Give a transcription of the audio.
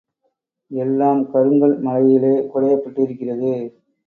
எல்லாம் கருங்கல் மலையிலே குடையப்பட்டிருக்கிறது.